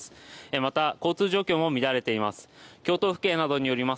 また交通状況も乱れています。